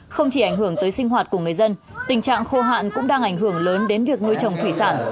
không chỉ ảnh hưởng tới sinh hoạt của người dân tình trạng khô hạn cũng đang ảnh hưởng lớn đến việc nuôi trồng thủy sản